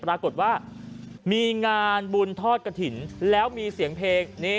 ปรากฏว่ามีงานบุญทอดกระถิ่นแล้วมีเสียงเพลง